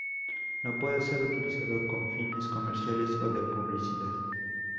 No puede ser utilizado con fines comerciales o de publicidad.